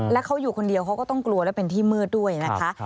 แล้วเขาอยู่คนเดียวเขาก็ต้องกลัวและเป็นที่มืดด้วยนะคะ